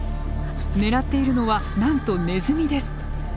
狙っているのはなんとネズミです。